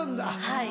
はい。